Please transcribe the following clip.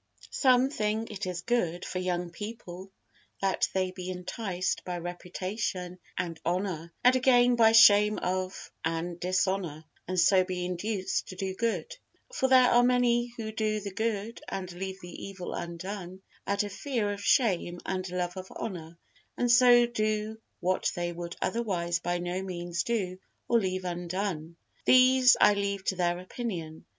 Some think it is good for young people that they be enticed by reputation and honor, and again by shame of and dishonor, and so be induced to do good. For there are many who do the good and leave the evil undone out of fear of shame and love of honor, and so do what they would otherwise by no means do or leave undone. These I leave to their opinion.